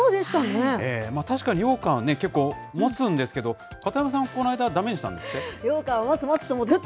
確かにようかんは結構もつんですけど、片山さんはこの間、だめにしたんですって？